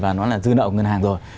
và nó là dư nợ của ngân hàng rồi